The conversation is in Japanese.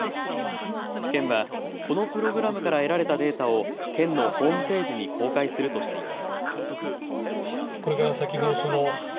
県はこのプログラムから得られたデータを県のホームページに公開するとしています。